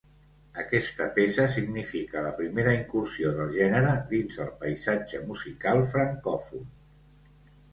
Aquesta peça significa la primera incursió del gènere dins el paisatge musical francòfon.